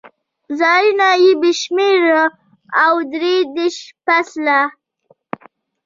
ځایونه بې شمېره و، درې دېرشم فصل.